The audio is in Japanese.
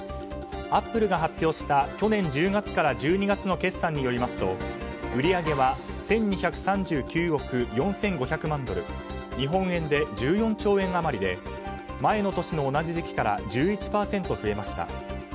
アップルが発表した去年１０月から１２月の決算によりますと売り上げは１２３９億４５００万ドル日本円で１４兆円余りで前の年の同じ時期から１１％増えました。